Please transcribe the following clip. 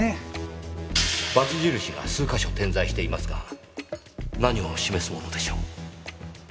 バツ印が数か所点在していますが何を示すものでしょう？